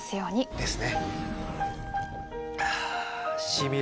ですね。